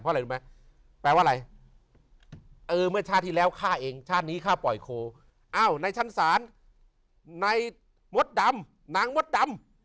อะไรรู้ไหมแปลว่าอะไรเออเมื่อชาติที่แล้วฆ่าเองชาตินี้ฆ่าปล่อยโคอ้าวในชั้นศาลในมดดำนางมดดำ